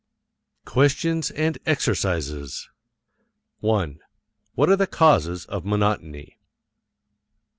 QUESTIONS AND EXERCISES. 1. What are the causes of monotony?